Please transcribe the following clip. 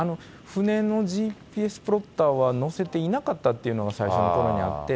船のＧＰＳプロプターは載せていなかったっていうのが最初のころにあって。